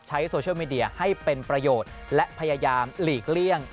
โซเชียลมีเดียให้เป็นประโยชน์และพยายามหลีกเลี่ยง